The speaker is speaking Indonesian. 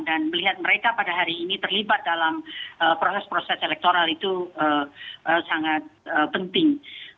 dan melihat mereka pada hari ini terlibat dalam proses proses elektoral itu sangat penting